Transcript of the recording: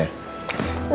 bapernya udah jatuh keliling